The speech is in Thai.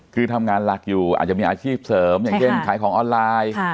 คือทำงานหลักอยู่อาจจะมีอาชีพเสริมอย่างเช่นขายของออนไลน์